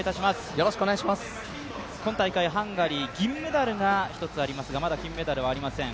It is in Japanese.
今大会、ハンガリー、銀メダルが１つありますがまだ金メダルはありません。